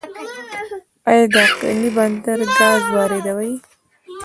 آیا د اقینې بندر ګاز واردوي؟